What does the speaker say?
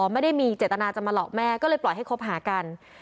ไม่ได้มีเจตนาจะมาหลอกแม่ก็เลยปล่อยให้คบหากัน